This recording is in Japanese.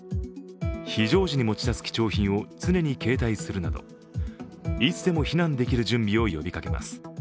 非常時に持ち出す貴重品を常に携帯するなどいつでも避難できる準備を呼びかけます。